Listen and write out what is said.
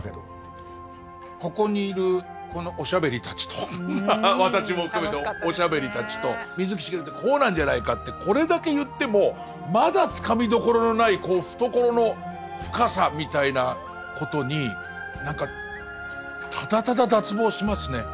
ここにいるこのおしゃべりたちと私も含めておしゃべりたちと水木しげるってこうなんじゃないかってこれだけ言ってもまだつかみどころのない懐の深さみたいなことに何かただただ脱帽しますね。